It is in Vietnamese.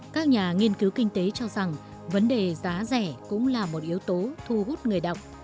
các nhà nghiên cứu kinh tế cho rằng vấn đề giá rẻ cũng là một yếu tố thu hút người đọc